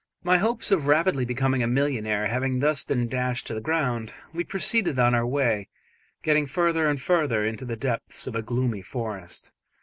My hopes of rapidly becoming a millionaire having thus been dashed to the ground, we proceeded on our way, getting further and further into the depths of a gloomy forest.